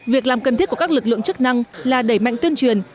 việc làm cần thiết của các lực lượng chức năng là đẩy mạnh tuyên truyền